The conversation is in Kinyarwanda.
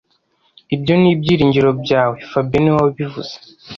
Ibyo ni ibyiringiro byawe fabien niwe wabivuze